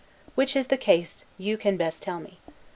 Which is the case, you can best tell me.